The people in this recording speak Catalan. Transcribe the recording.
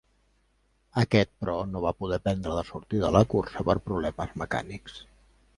Aquest però, no va poder prendre la sortida de la cursa per problemes mecànics.